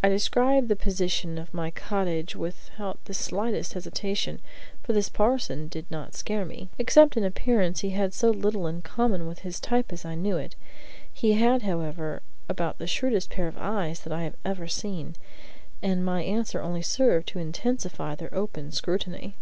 I described the position of my cottage without the slightest hesitation; for this parson did not scare me; except in appearance he had so little in common with his type as I knew it. He had, however, about the shrewdest pair of eyes that I have ever seen, and my answer only served to intensify their open scrutiny.